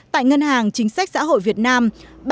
tại ngân hàng chính sách xã hội việt nam